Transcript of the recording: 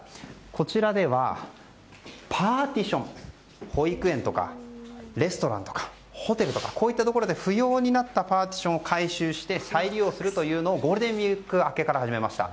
こちらではパーティション保育園とかレストランとかホテルとか、こういったところで不要になったパーティションを回収して再利用するというのをゴールデンウィーク明けから始めました。